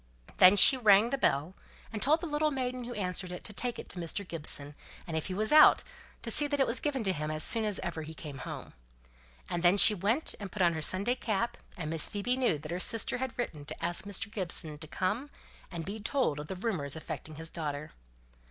Then she rang the bell, and told the little maiden who answered it to take it to Mr. Gibson, and if he was out to see that it was given to him as soon as ever he came home. And then she went and put on her Sunday cap; and Miss Phoebe knew that her sister had written to ask Mr. Gibson to come and be told of the rumours affecting his daughter.